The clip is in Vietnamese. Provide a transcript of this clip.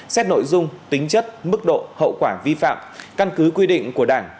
xét nội dung tính chất mức độ hậu quả vi phạm căn cứ quy định của đảng